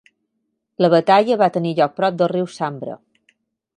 La batalla va tenir lloc prop del riu Sambre.